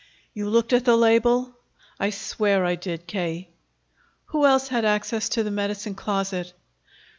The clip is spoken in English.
"You looked at the label?" "I swear I did, K." "Who else had access to the medicine closet?"